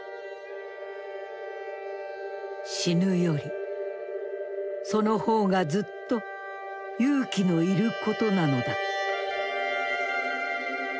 「死ぬよりその方がずっと勇気のいることなのだ」。